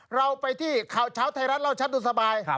เราไปที่ข่าวเช้าไทยรัฐเล่าชัดดูสบาย